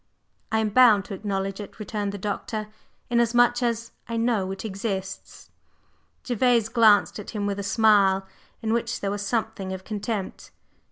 "I am bound to acknowledge it," returned the Doctor; "inasmuch as I know it exists." Gervase glanced at him with a smile, in which there was something of contempt.